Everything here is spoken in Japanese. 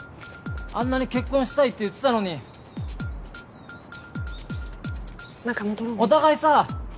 あんなに結婚したいって言ってたのに中戻ろうお姉ちゃんお互いさ